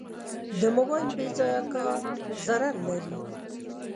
د موبایل بېځایه کار ضرر لري.